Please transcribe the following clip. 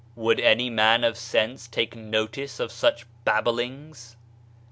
'* Would any man of sense take notice of such babblings?